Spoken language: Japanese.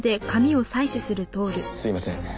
すいません。